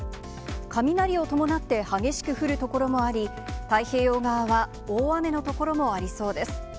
雷を伴って激しく降る所もあり、太平洋側は大雨の所もありそうです。